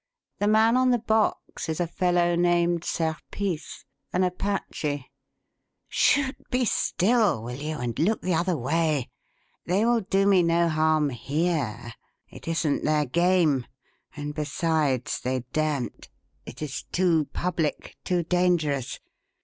The man on the box is a fellow named Serpice an Apache. Chut! Be still, will you? and look the other way. They will do me no harm here. It isn't their game, and, besides, they daren't. It is too public, too dangerous.